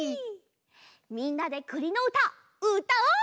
みんなでくりのうたうたおう！